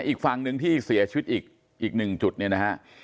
อีกฝั่งหนึ่งที่เสียชีวิตอีกหนึ่งจุดเนี่ยนะฮะ